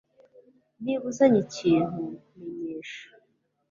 Niba uzanye ikintu, menyesha.